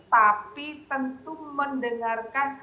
tapi tentu mendengarkan